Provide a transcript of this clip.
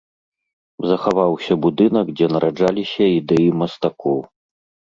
Захаваўся будынак, дзе нараджаліся ідэі мастакоў.